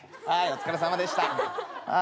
はいお疲れさまでした。